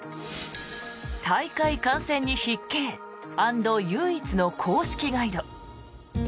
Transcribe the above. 大会観戦に必携＆唯一の公式ガイド。